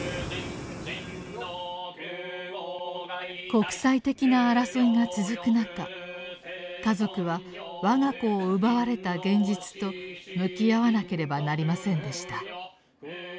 国際的な争いが続くなか家族は我が子を奪われた現実と向き合わなければなりませんでした。